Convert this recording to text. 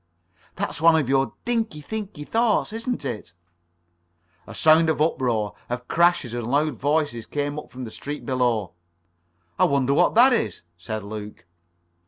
"That's one of your dinky, thinky thoughts, isn't it?" [Pg 36]A sound of uproar, of crashes and loud voices, came up from the street below. "I wonder what that is?" said Luke.